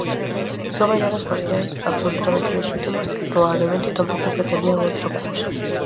Son olladas parciais, absolutamente lexítimas, que probablemente tampouco pretendían outra cousa.